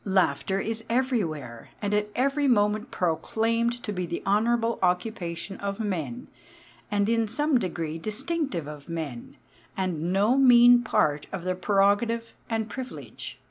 Laughter is everywhere and at every moment proclaimed to be the honourable occupation of men, and in some degree distinctive of men, and no mean part of their prerogative and privilege.